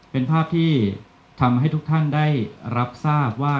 เป็นภาพที่ทำให้ทุกท่านได้รับทราบว่า